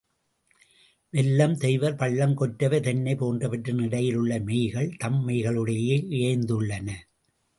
வெல்லம், தெவ்வர், பள்ளம், கொற்றவை, தென்னை போன்றவற்றின் இடையில் உள்ள மெய்கள் தம் மெய்களுடனேயே இயைந்துள்ளன.